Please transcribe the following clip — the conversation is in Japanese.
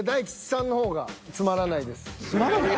いやつまらない？